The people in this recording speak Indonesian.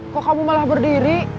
kok kamu malah berdiri